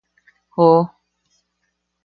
¡Joo!